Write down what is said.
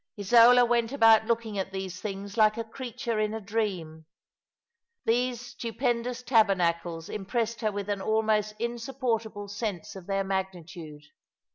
Isola went about looking at these things like a creature in a dream. These stupendous tabernacles impressed her with an almost insupportable sense of their magnitude.